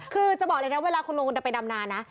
คือจะบอกอีกแล้วเวลาจะไปดำนานนะ